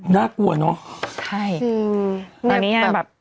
น่ากลัวเนาะ